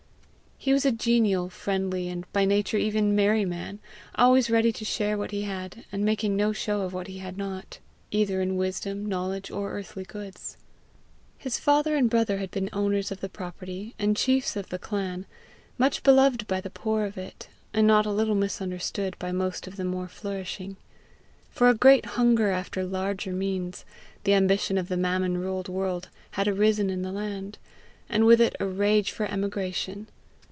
He was a genial, friendly, and by nature even merry man, always ready to share what he had, and making no show of having what he had not, either in wisdom, knowledge, or earthly goods. His father and brother had been owners of the property and chiefs of the clan, much beloved by the poor of it, and not a little misunderstood by most of the more nourishing. For a great hunger after larger means, the ambition of the mammon ruled world, had arisen in the land, and with it a rage for emigration.